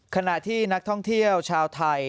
ขณะที่นักท่องเที่ยวชาวไทย